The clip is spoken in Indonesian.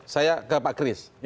saya ke pak kris